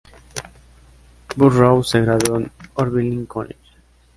Burrows se graduó de Oberlin College.